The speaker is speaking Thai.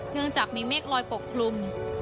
เนื่องจากมีเมฆลอยปกคลุม